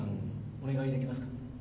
お願いできますか？